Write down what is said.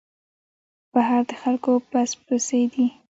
بهر د خلکو پس پسي دی.